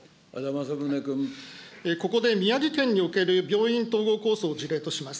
ここで宮城県における病院統合構想を事例とします。